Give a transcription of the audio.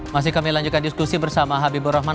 masih kami lanjutkan diskusi bersama habibur rahman